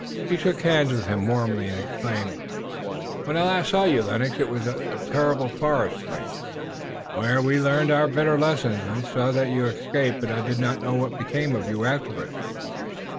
He shook hands with him warmly and exclaimed: "When I last saw you, Lennox, it was at the terrible forest fight, where we learned our bitter lesson. I saw that you escaped, but I did not know what became of you afterward."